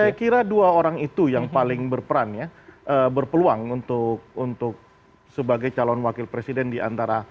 saya kira dua orang itu yang paling berperan ya berpeluang untuk sebagai calon wakil presiden diantara